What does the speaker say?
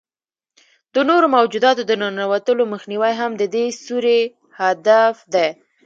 د نورو موجوداتو د ننوتلو مخنیوی هم د دې سوري هدف دی.